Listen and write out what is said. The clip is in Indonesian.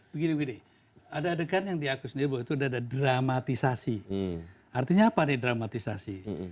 begini begini ada adegan yang diakui sendiri bahwa itu ada dramatisasi artinya apa deh dramatisasi